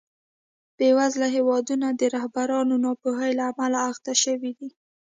بېوزله هېوادونه د رهبرانو ناپوهۍ له امله اخته شوي دي.